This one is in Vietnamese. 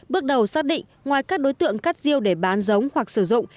bước đầu xác định ngoài các đối tượng cắt rêu để bán giống hoặc sử dụng